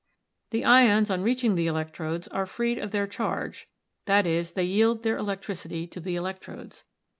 "The ions, on reaching the electrodes, are freed of their charge, i.e., they yield their electricity to the electrodes.